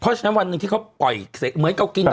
เพราะฉะนั้นวันนึงเขาปล่อยไฟฟาวิเหมือนเค้ากินตะวัน